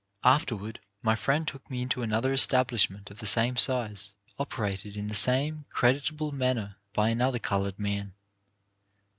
Afterward my friend took me into another es tablishment of the same size, operated in the same creditable manner by another coloured man.